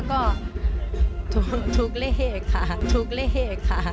ก็ทุกเลขค่ะทุกเลขค่ะ